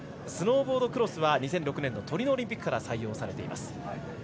スノーボードクロスは２００６年のトリノオリンピックから採用されています。